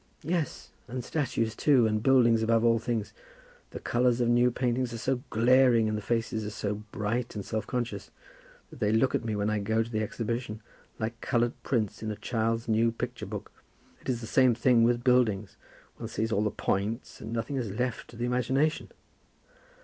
"Yes, and statues too, and buildings above all things. The colours of new paintings are so glaring, and the faces are so bright and self conscious, that they look to me when I go to the exhibition like coloured prints in a child's new picture book. It is the same thing with buildings. One sees all the points, and nothing is left to the imagination."